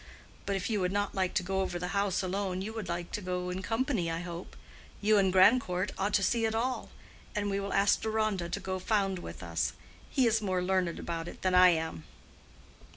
But if you would not like to go over the house alone, you will like to go in company, I hope. You and Grandcourt ought to see it all. And we will ask Deronda to go round with us. He is more learned about it than I am."